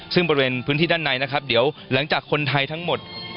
ซึ่งบริเวณพื้นที่ด้านในนะครับเดี๋ยวหลังจากคนไทยทั้งหมด